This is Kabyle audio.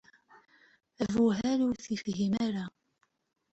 Abuhal ur t-ifhim ara.